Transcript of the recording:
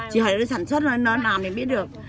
chỉ hỏi đến sản xuất nó làm thì biết được